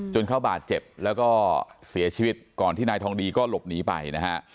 เขาบาดเจ็บแล้วก็เสียชีวิตก่อนที่นายทองดีก็หลบหนีไปนะฮะ